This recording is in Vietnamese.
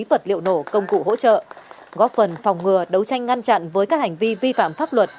vật liệu nổ công cụ hỗ trợ góp phần phòng ngừa đấu tranh ngăn chặn với các hành vi vi phạm pháp luật